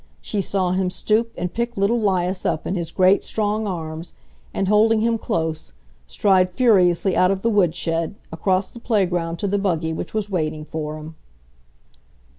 She saw him stoop and pick little 'Lias up in his great, strong arms, and, holding him close, stride furiously out of the woodshed, across the playground to the buggy which was waiting for him.